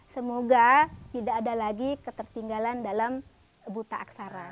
semoga tidak ada lagi ketertinggalan dalam buta aksara